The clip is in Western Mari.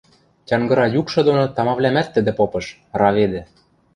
Тянгыра юкшы доно тамавлӓмӓт тӹдӹ попыш, раведӹ.